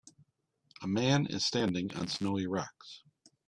A man is standing on snowy rocks.